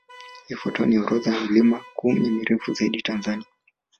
Ifuatayo ni orodha ya milima kumi mirefu zaidi Tanzania